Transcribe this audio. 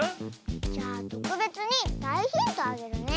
じゃあとくべつにだいヒントあげるね。